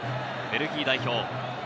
ベルギー代表。